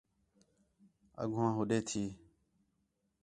اڳوہاں ہُوݙے تھی